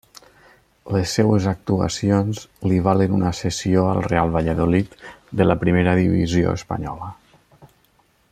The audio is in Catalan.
Les seues actuacions li valen una cessió al Real Valladolid, de la primera divisió espanyola.